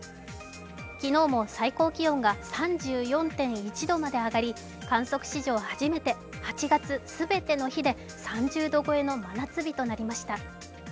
昨日も最高気温が３４．１度まで上がり観測史上初めて８月全ての日で３０度超えの真夏日となりました。